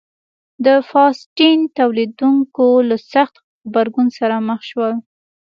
د فاسټین تولیدوونکو له سخت غبرګون سره مخ شول.